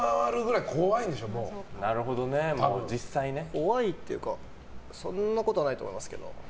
怖いっていうかそんなことはないと思いますけど。